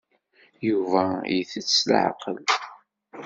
Yuba itett s leɛqel.